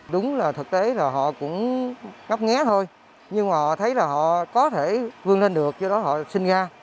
đúng là thực tế là họ cũng ngấp nghé thôi nhưng mà họ thấy là họ có thể vươn lên được do đó họ sinh ra